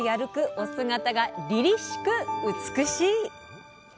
お姿がりりしく美しい！